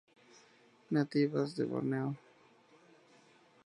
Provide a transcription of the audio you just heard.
Nativas de Borneo.